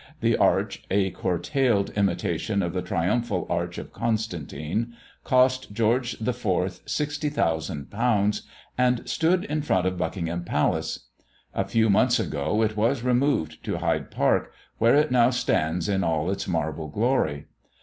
The arch, a curtailed imitation of the triumphal arch of Constantine, cost George IV. £60,000, and stood in front of Buckingham palace. A few months ago, it was removed to Hyde Park, where it now stands in all its marble glory.